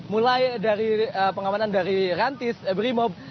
mulai dari pengamanan dari rantis brimob